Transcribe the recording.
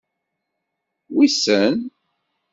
Wissen!